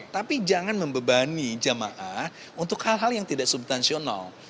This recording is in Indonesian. tapi jangan membebani jamaah untuk hal hal yang tidak substansional